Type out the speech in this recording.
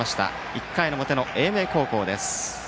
１回の表の英明高校です。